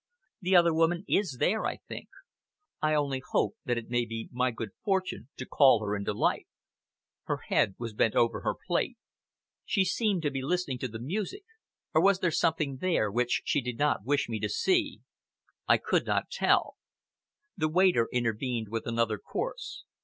The other woman is there, I think. I only hope that it may be my good fortune to call her into life." Her head was bent over her plate. She seemed to be listening to the music or was there something there which she did not wish me to see? I could not tell. The waiter intervened with another course.